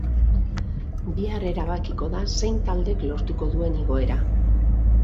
Bihar erabakiko da zein taldek lortuko duen igoera.